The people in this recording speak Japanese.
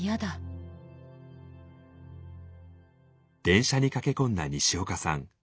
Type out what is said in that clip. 電車に駆け込んだにしおかさん。